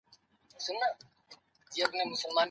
بریا د هغو کسانو په لټه کي وي چي ډېره لیوالتیا لري.